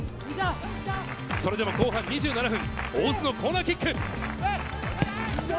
それでも後半２７分、大津のコーナーキック。